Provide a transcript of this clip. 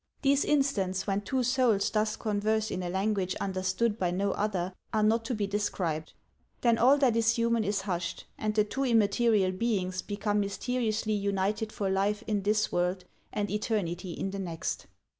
These instants when two souls thus converse in a language un derstood by no other are not to be described ; then all that is human is hushed, and the two immaterial beings become mysteriously united for life in this world and eternity in the next.